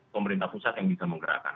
pemerintah pusat yang bisa menggerakkan